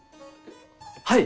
はい！